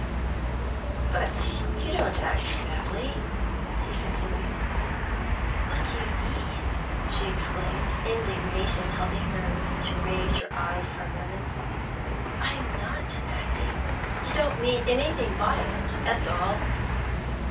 'But you don't act badly,' he continued. 'What do you mean?' she exclaimed, indignation helping her to raise her eyes for a moment. 'I'm not acting.' 'You don't mean anything by it that's all.'